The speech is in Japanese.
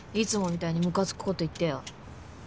いつもみたいにムカつくこと言ってよ。